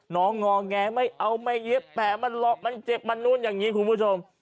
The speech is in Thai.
งอแงไม่เอาไม่เย็บแผลมันเจ็บมันนู่นอย่างนี้คุณผู้ชม